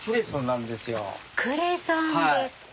クレソンですか。